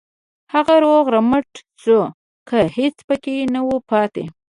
هغه روغ رمټ شو کنه هېڅ پکې نه وو پاتې.